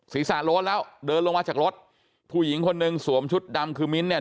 ศีรษะโล้นแล้วเดินลงมาจากรถผู้หญิงคนหนึ่งสวมชุดดำคือมิ้นท์เนี่ย